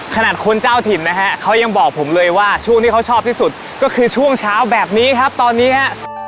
ขนาดคนเจ้าถิ่นนะฮะเขายังบอกผมเลยว่าช่วงที่เขาชอบที่สุดก็คือช่วงเช้าแบบนี้ครับตอนนี้ฮะ